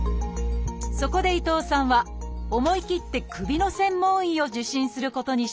そこで伊藤さんは思い切って首の専門医を受診することにしました。